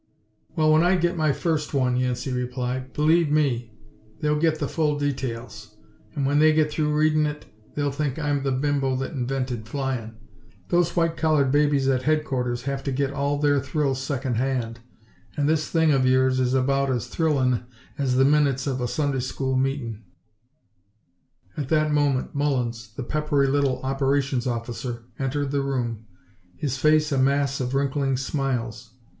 "Well, when I get my first one," Yancey replied, "believe me, they'll get the full details, and when they get through readin' it they'll think I'm the bimbo what invented flyin'. Those white collared babies at Headquarters have to get all their thrills secondhand, and this thing of yours is about as thrillin' as the minutes of a Sunday School Meeting." At that moment Mullins, the peppery little Operations Officer, entered the room, his face a mass of wrinkling smiles.